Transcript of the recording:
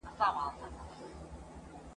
نوم مي دي پر هره مرغلره درلیکلی دی ..